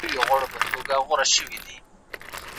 پاکوالي ته پاملرنه وکړئ ترڅو له ناروغیو وژغورل شئ.